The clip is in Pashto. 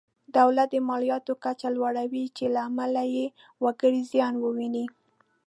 دولت د مالیاتو کچه لوړوي چې له امله یې وګړي زیان ویني.